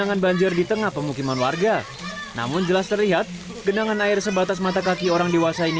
namun ternyata air mengalir dalam jumlah banyak